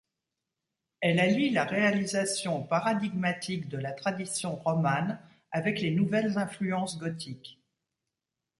Elle allie la réalisation paradigmatique de la tradition romane avec les nouvelles influences gothiques.